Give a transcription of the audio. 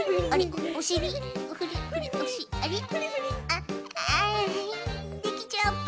あっあできちゃった。